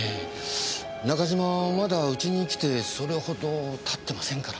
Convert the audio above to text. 中島はまだうちに来てそれほど経ってませんから。